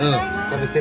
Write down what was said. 食べて。